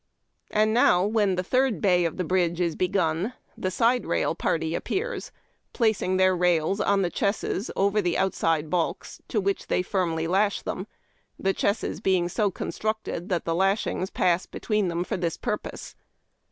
And now, when the third bay of the bridge is begun, the side rail party appears, placing their rails on the cliesses over the outside balks, to which they firmly lash them, the chesses being so constructed that the lashings pass be tween them for this purpose.